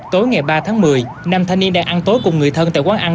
tối ngày ba tháng một mươi nam thanh niên đang ăn tối cùng người thân tại quán ăn